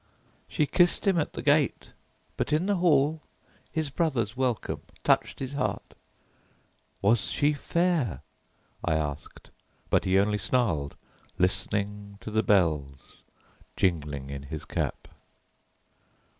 "She kissed him at the gate, but in the hall his brother's welcome touched his heart." "Was she fair?" I asked; but he only snarled, listening to the bells jingling in his cap.